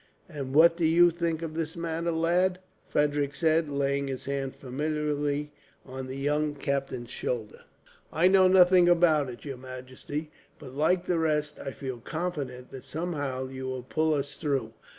"And what think you of this matter, lad?" Frederick said, laying his hand familiarly on the young captain's shoulder. "I know nothing about it, your majesty; but like the rest, I feel confident that somehow you will pull us through.